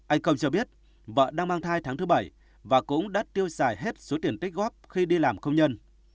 anh công cho biết vợ đang mang thai tháng thứ bảy và cũng đã tiêu xài hết số tiền tích góp khi đi làm công nhân